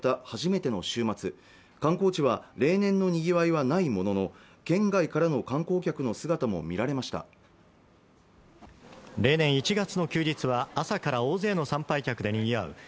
初めての週末観光地は例年の賑わいはないものの県外からの観光客の姿も見られました例年１月の休日は朝から大勢の参拝客でにぎわう